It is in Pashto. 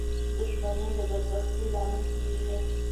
• دښمني د بدبختۍ لامل کېږي.